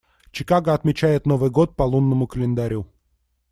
Чикаго отмечает Новый год по лунному календарю.